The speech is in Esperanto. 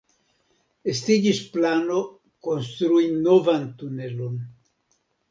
Estiĝis plano konstrui novan tunelon.